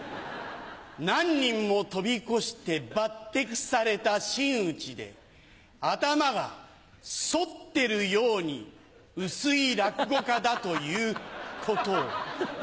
何人も飛び越して抜擢された真打ちで頭が剃ってるように薄い落語家だということを。